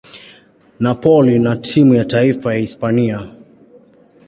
Napoli na timu ya taifa ya Hispania.